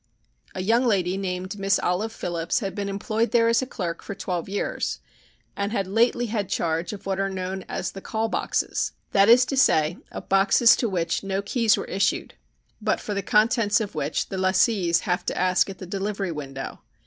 A young lady named Miss Olive Phillips had been employed there as a clerk for twelve years, and had lately had charge of what are known as the "call boxes" that is to say, of boxes to which no keys are issued, but for the contents of which the lessees have to ask at the delivery window.